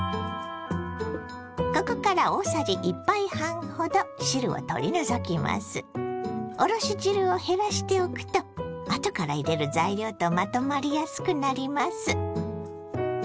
ここからおろし汁を減らしておくとあとから入れる材料とまとまりやすくなります。